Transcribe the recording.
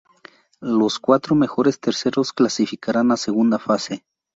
Los cuatro mejores terceros clasificarán a segunda fase.